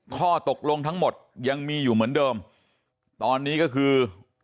ข้อตกลงทั้งหมดยังมีอยู่เหมือนเดิมตอนนี้ก็คือ